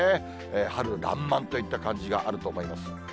春らんまんといった感じがあると思います。